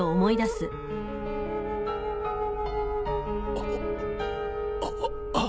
あああ。